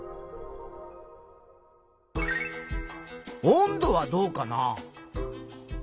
温度はどうかな？